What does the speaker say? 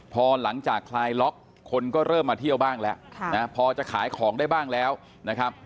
พอหลังจากคลายล็อกคนก็เริ่มมาเที่ยวบ้างแล้วพอจะขายของได้บ้างแล้วนะครับ